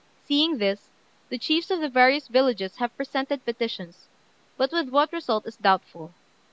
Seeing this, the chiefs of the various villages have presented petitions, but with what result is doubtful.